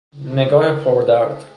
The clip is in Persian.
نگاه پردرد